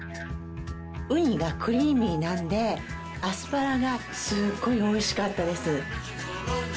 ウニがクリーミーなのでアスパラがすっごいおいしかったです。